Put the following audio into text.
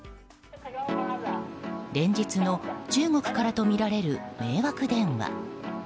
連日の中国からとみられる迷惑電話。